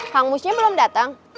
kang musnya belum datang